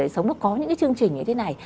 sống được có những chương trình như thế này